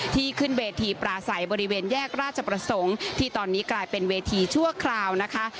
ขึ้นเวทีปลาใสบริเวณแยกราชประสงค์ที่ตอนนี้กลายเป็นเวทีชั่วคราวนะคะ